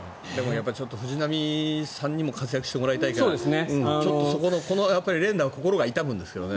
藤浪さんにも活躍してもらいたいからこの連打は心が痛むんですよね。